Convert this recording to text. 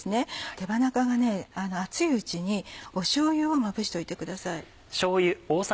手羽中が熱いうちにしょうゆをまぶしておいてください。